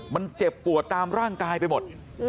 มันเจ็บปวดตามร่างกายไปหมด